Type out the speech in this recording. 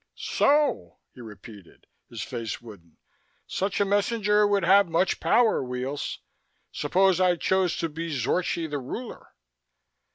"So?" he repeated, his face wooden. "Such a messenger would have much power, Weels. Suppose I choose to be Zorchi the ruler?"